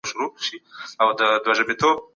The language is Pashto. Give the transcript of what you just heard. زده کړه د راتلونکي لپاره لار هواروي.